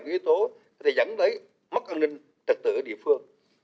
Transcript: những y tố để dẫn lấy mất an ninh trật tự ở địa phương